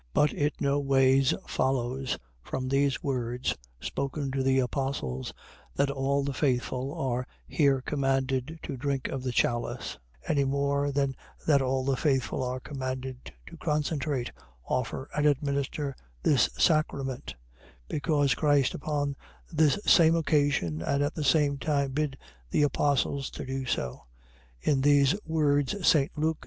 But it no ways follows from these words spoken to the apostles, that all the faithful are here commanded to drink of the chalice; any more than that all the faithful are commanded to consecrate, offer and administer this sacrament; because Christ upon this same occasion, and at the same time, bid the apostles do so; in these words, St. Luke 22.